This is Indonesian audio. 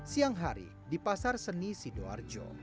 siang hari di pasar seni sidoarjo